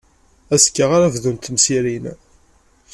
Azekka ara bdunt temsirin.